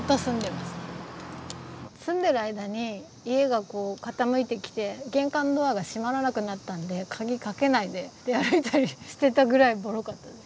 住んでる間に家がこう傾いてきて玄関ドアが閉まらなくなったんで鍵かけないで出歩いたりしてたぐらいボロかったです。